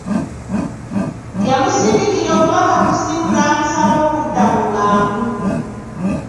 Yamusindikira obubaka ku ssimu n'amusaba okudda mu bwangu.